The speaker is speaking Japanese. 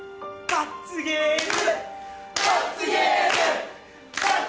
罰ゲーム！